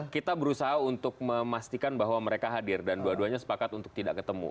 kita berusaha untuk memastikan bahwa mereka hadir dan dua duanya sepakat untuk tidak ketemu